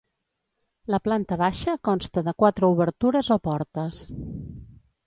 La planta baixa consta de quatre obertures o portes.